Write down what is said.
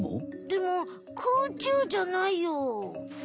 でも空中じゃないよ。